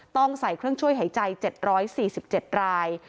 ต้องใส่เครื่องช่วยหายใจ๗๔๗ราย